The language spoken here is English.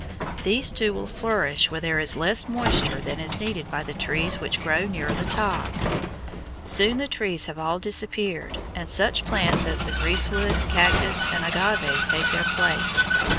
These two will flourish where there is less moisture than is needed by the trees which grow nearer the top. Soon the trees have all disappeared and such plants as the greasewood, cactus, and agave take their place.